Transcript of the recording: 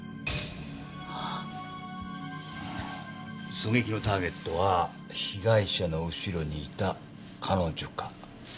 狙撃のターゲットは被害者の後ろにいた彼女か彼。